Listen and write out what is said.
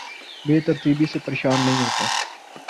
بے ترتیبی سے پریشان نہیں ہوتا